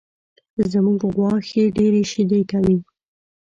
زمونږ غوا ښې ډېرې شیدې کوي